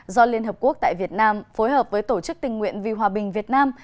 do liên hợp quốc tại việt nam phối hợp với tổ chức tình nguyện vì hòa bình việt nam